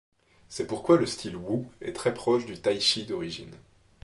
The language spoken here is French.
C'est pourquoi le style Wu est très proche du tai-chi d'origine.